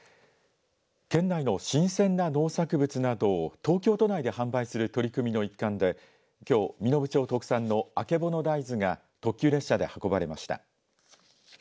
県内の新鮮な農作物などを東京都内で販売する取り組みの一環できょう身延町特産のあけぼの大豆が特急列車で運ばれました。